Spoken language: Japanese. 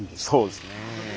そうですね。